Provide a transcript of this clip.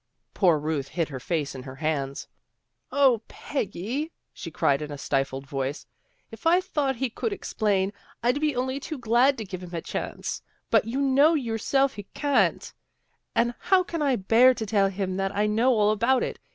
Poor Ruth hid her face in her hands. " 0, Peggy! " she cried in a stifled voice, " if I thought he could explain, I'd be only too glad to give him the chance. But you know yourself he can't. And how can I bear to tell him that I know all about it.